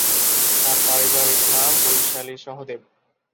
তার পারিবারিক নাম বৈশালী সহদেব।